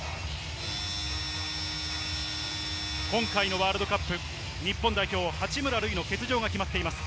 今回のワールドカップ日本代表・八村塁の欠場が決まっています。